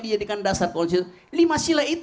dijadikan dasar konstitusi lima sila itu